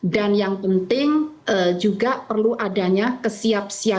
dan yang penting juga perlu adanya kesiap siap